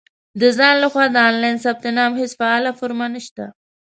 • د ځان له خوا د آنلاین ثبت نام هېڅ فعاله فورم نشته.